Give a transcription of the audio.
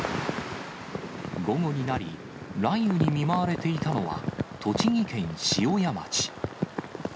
午後になり、雷雨に見舞われていたのは、栃木県塩谷町。